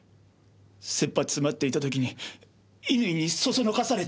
切羽詰まっていた時に乾にそそのかされて！